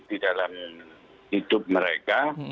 di dalam hidup mereka